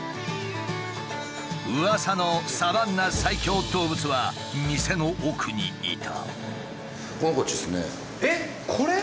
うわさのサバンナ最恐動物は店の奥にいた。